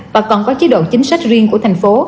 mà còn có chế độ chính sách riêng của thành phố